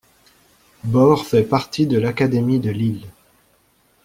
Borre fait partie de l'académie de Lille.